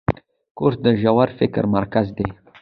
کورس د ژور فکر مرکز دی.